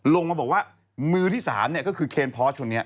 ลงมาบอกว่ามือที่๓ก็คือเคนพอสคนนี้